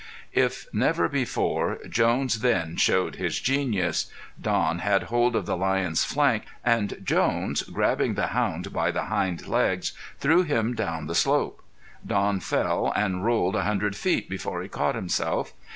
If never before, Jones then showed his genius. Don had hold of the lion's flank, and Jones, grabbing the hound by the hind legs, threw him down the slope. Don fell and rolled a hundred feet before he caught himself.